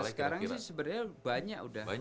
sekarang sih sebenarnya banyak udah